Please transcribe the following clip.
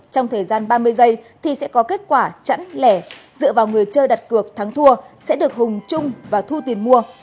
trong thời gian ba mươi giây thì sẽ có kết quả chẵn lẻ dựa vào người chơi đặt cược thắng thua sẽ được hùng chung và thu tiền mua